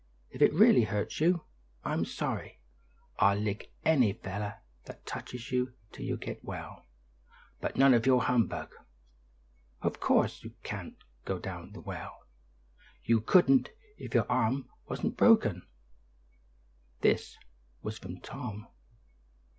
If it really hurts you, I'm sorry, and I'll lick any fellow that touches you till you get well again, but none of your humbug. Of course you can't go down the well; you couldn't if your arm wasn't broken." This was from Tom.